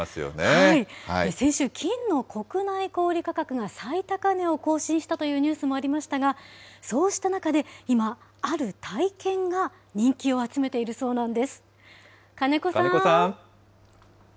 先週、金の国内小売り価格が最高値を更新したというニュースもありましたが、そうした中で、今、ある体験が人気を集めているそうなんです。